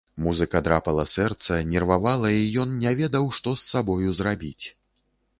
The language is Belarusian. Музыка драпала сэрца, нервавала, і ён не ведаў, што з сабою зрабіць.